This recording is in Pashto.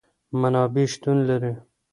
منابع شتون لري